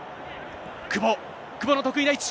久保、久保の得意な位置。